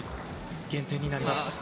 減点になります。